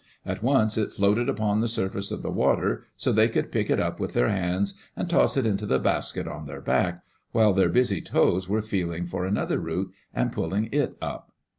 At once it floated upon the surface of the water, so they could pick it up with their hands and toss it Into the basket on their back, while their busy toes were feeling for another root and pulling It up.